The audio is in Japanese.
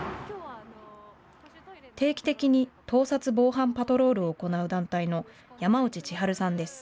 定期的に盗撮防犯パトロールを行う団体の山内千春さんです。